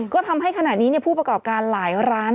ก็ทำให้ขณะนี้ผู้ประกอบการหลายร้าน